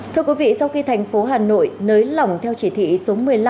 thưa quý vị sau khi thành phố hà nội nới lỏng theo chỉ thị số một mươi năm